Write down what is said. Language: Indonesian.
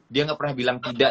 dia nggak pernah bilang tidak